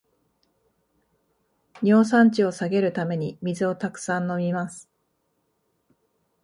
尿酸値を下げるために水をたくさん飲みます